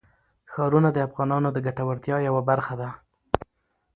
ښارونه د افغانانو د ګټورتیا یوه برخه ده.